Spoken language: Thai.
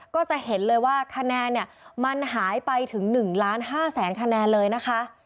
ก็จะเห็นเลยว่าคะแนนมันหายไปถึง๑๕๐๐๐๐๐คะแนนเลยนะคะ